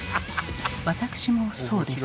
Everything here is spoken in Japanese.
私もそうです。